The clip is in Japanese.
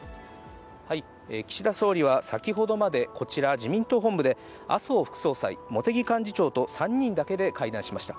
岸田総理は先ほどまでこちら、自民党本部で、麻生副総裁、茂木幹事長と３人だけで会談しました。